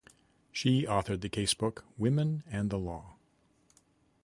She authored the casebook "Women and the Law".